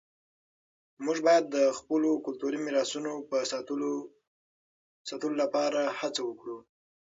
موږ باید د خپلو کلتوري میراثونو د ساتلو لپاره هڅه وکړو.